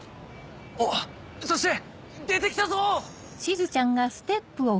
おっそして出てきたぞ！